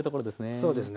そうですね。